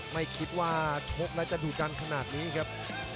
ไม่คิดว่าชกแล้วจะดูดันขนาดนี้ครับ